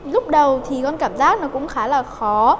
lúc đầu thì con cảm giác nó cũng khá là khó